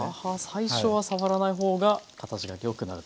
最初は触らない方が形が良くなる。